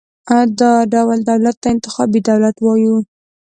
دا ډول دولت ته انتخابي دولت وایو.